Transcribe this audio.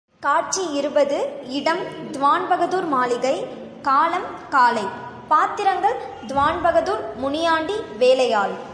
காட்சி இருபது இடம் திவான்பகதூர் மாளிகை காலம் காலை பாத்திரங்கள் திவான்பகதூர், முனியாண்டி, வேலையாள்.